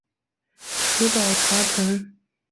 石宝茶藤